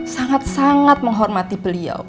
sangat sangat menghormati beliau